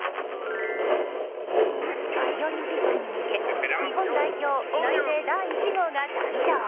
パリオリンピックに向け日本代表内定第１号が誕生。